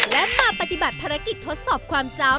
และมาปฏิบัติภารกิจทดสอบความเจ้า